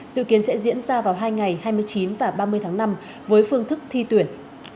dự kiến sẽ diễn ra vào hai ngày hai mươi chín và ba mươi tháng năm với phương thức thi tuyển